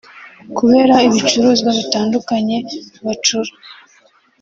kubera ibicuruzwa bitandukanye bacura